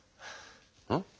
うん？